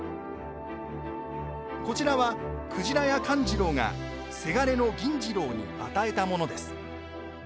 こちらは、鯨屋勘次郎がせがれの銀次郎に与えたものです。